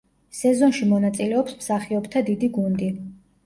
სეზონში მონაწილეობს მსახიობთა დიდი გუნდი.